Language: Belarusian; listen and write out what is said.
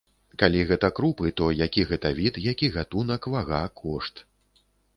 Калі гэта крупы, то які гэта від, які гатунак, вага, кошт.